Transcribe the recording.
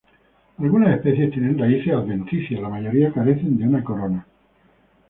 Algunas especies tienen raíces adventicias; la mayoría carecen de una corona.